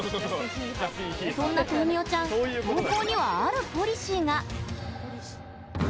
そんな豆苗ちゃん投稿には、あるポリシーが。